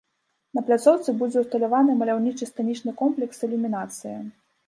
На пляцоўцы будзе ўсталяваны маляўнічы сцэнічны комплекс з ілюмінацыяй.